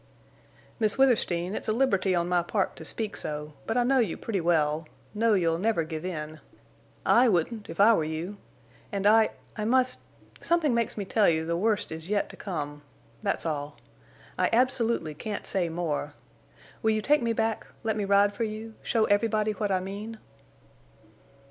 "Miss Withersteen, it's a liberty on my part to speak so, but I know you pretty well—know you'll never give in. I wouldn't if I were you. And I—I must—Something makes me tell you the worst is yet to come. That's all. I absolutely can't say more. Will you take me back—let me ride for you—show everybody what I mean?"